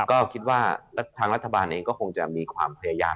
ก็คิดว่าทางรัฐบาลเองก็คงจะมีความพยายาม